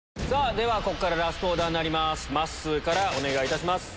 ではここからラストオーダーまっすーからお願いいたします。